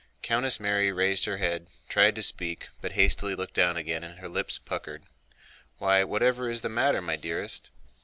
Countess Mary raised her head and tried to speak, but hastily looked down again and her lips puckered. "Why, whatever is the matter, my dearest?"